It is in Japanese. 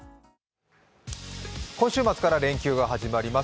今週末から連休が始まります